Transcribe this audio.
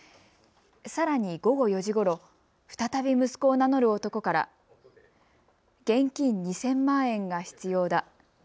さらに午後４時ごろ、再び息子を名乗る男から現金２０００万円が必要だ。